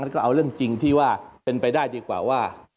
ก็เอาเรื่องจริงที่ว่าเป็นไปได้ดีกว่าว่า